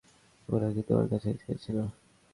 ওরা কি তোমার কাছাকাছি এসেছিল?